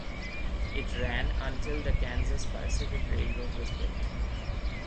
It ran until the Kansas Pacific Railroad was built.